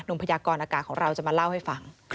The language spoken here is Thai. พยากรอากาศของเราจะมาเล่าให้ฟัง